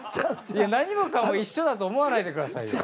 何もかも一緒だと思わないでくださいよ。